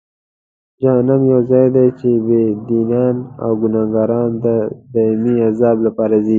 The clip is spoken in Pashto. جهنم یو ځای دی چې بېدینان او ګناهکاران د دایمي عذاب لپاره ځي.